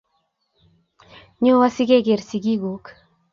Nyoo asigeer sigiikuk